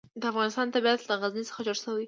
د افغانستان طبیعت له غزني څخه جوړ شوی دی.